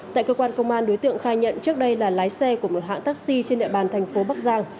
tại cơ quan công an đối tượng khai nhận trước đây là lái xe của một hãng taxi trên địa bàn thành phố bắc giang